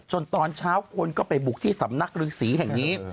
ตอนเช้าคนก็ไปบุกที่สำนักฤษีแห่งนี้